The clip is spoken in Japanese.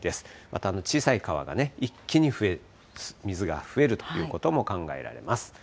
また小さい川が一気に水が増えるということも考えられます。